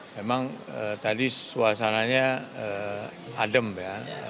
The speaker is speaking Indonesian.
memang tadi suasananya adem ya